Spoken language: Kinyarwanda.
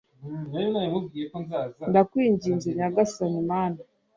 ndakwinginze, nyagasani mana